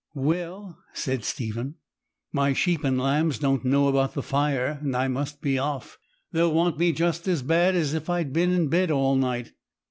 'Well,' said Stephen, 'my sheep and lambs don't know about the fire, and I must be off. They'll want me just as bad as if I'd been in bed all night.'